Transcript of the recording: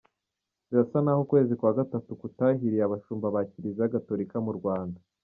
Birasa n’aho ukwezi kwa Gatatu kutahiriye Abashumba ba Kiliziya Gatolika mu Rwanda.